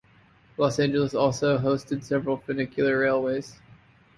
Los Angeles also hosted several funicular railways.